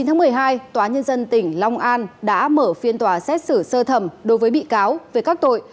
ngày một mươi hai tòa nhân dân tỉnh long an đã mở phiên tòa xét xử sơ thẩm đối với bị cáo về các tội